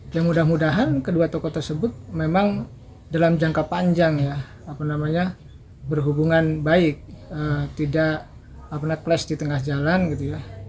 ya mudah mudahan kedua tokoh tersebut memang dalam jangka panjang ya apa namanya berhubungan baik tidak flash di tengah jalan gitu ya